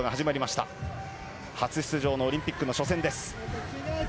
初出場のオリンピックの初戦です。